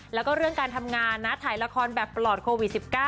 แล้วก็เรื่องการทำงานนะถ่ายละครแบบปลอดโควิด๑๙